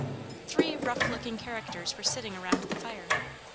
Three rough looking characters were sitting around the fire.